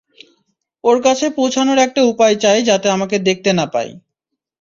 ওর কাছে পৌঁছানোর একটা উপায় চাই যাতে আমাকে দেখতে না পায়।